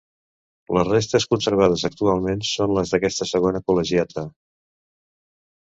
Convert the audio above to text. Les restes conservades actualment són les d'aquesta segona col·legiata.